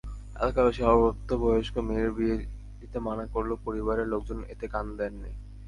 এলাকাবাসী অপ্রাপ্তবয়স্ক মেয়ের বিয়ে দিতে মানা করলেও পরিবারের লোকজন এতে কান দেননি।